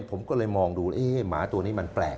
ผมก็เลยมองดูหมาตัวนี้มันแปลก